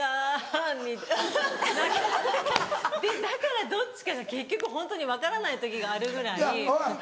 だからどっちかが結局ホントに分からない時があるぐらい。